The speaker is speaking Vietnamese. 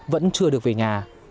vẫn chưa được về nhà